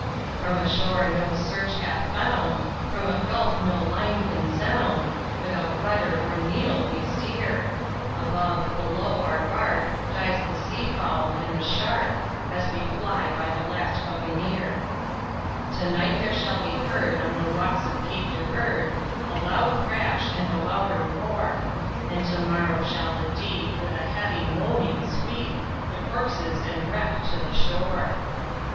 "From a shore no search hath found, from a gulf no line can sound, Without rudder or needle we steer; Above, below, our bark, dies the sea fowl and the shark, As we fly by the last Buccaneer. "To night there shall be heard on the rocks of Cape de Verde, A loud crash, and a louder roar; And to morrow shall the deep, with a heavy moaning, sweep The corpses and wreck to the shore."